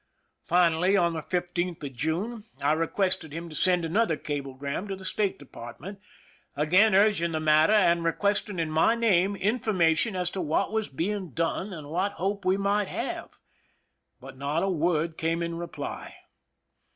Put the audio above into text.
Finally, on the 15th of June, I requested him to send another cablegram to the State Department, again urging the matter, and requesting in my name information as to what was being done and what hope we might have ; but not a word came in reply.